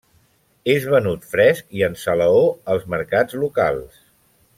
És venut fresc i en salaó als mercats locals.